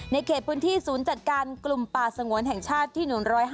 เขตพื้นที่ศูนย์จัดการกลุ่มป่าสงวนแห่งชาติที่๑๕